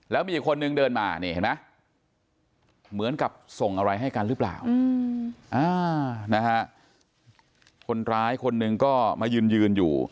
แล้วมีอีกคนนึงเดินมาเหมือนกับส่งอะไรให้กันหรือเปล่าคนร้ายคนนึงก็มายืนยืนอยู่